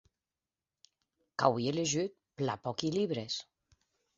Qu’auie liejut plan pòqui libres.